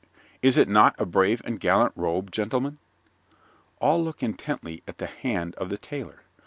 _) Is it not a brave and gallant robe, gentlemen? (_All look intently at the hand of the tailor.